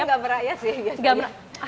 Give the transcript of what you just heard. aku gak beraya sih biasanya